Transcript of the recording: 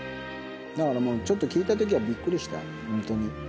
だからもうちょっと聞いたときはびっくりした、本当に。